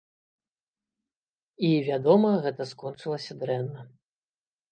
І, вядома, гэта скончылася дрэнна.